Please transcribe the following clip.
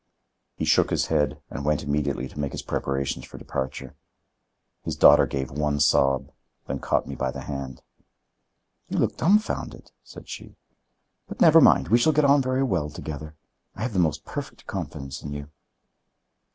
He shook his head and went immediately to make his preparations for departure. His daughter gave one sob, then caught me by the hand. "You look dumfounded," said she. "But never mind, we shall get on very well together. I have the most perfect confidence in you."